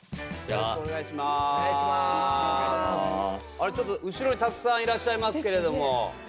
あれちょっと後ろにたくさんいらっしゃいますけれども。